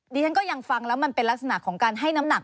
ดิฉันก็ยังฟังแล้วมันเป็นลักษณะของการให้น้ำหนัก